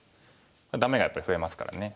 ダメがやっぱり増えますからね。